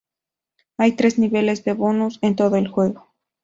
Hay tres niveles de bonus en todo el juego.